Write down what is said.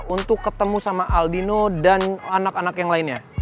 untuk ketemu sama aldino dan anak anak yang lainnya